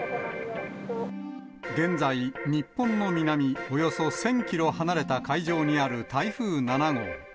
現在、日本の南およそ１０００キロ離れた海上にある台風７号。